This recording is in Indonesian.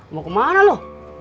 mau kemana lu